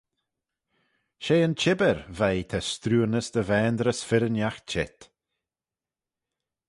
She yn çhibbyr veih ta' strooanys dy vaynrys firrinagh çheet.